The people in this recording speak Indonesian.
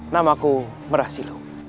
namaku merah silu